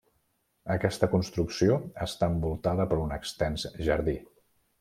Aquesta construcció està envoltada per un extens jardí.